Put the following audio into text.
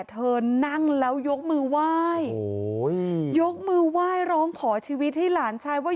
เธอนั่งแล้วยกมือไหว้ยกมือไหว้ร้องขอชีวิตให้หลานชายว่า